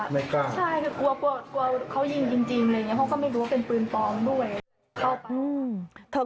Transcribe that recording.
ไม่กล้าใช่คือกลัวกลัวเขายิงจริงอะไรอย่างเงี้เขาก็ไม่รู้ว่าเป็นปืนปลอมด้วย